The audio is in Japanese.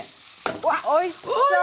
わっおいしそう！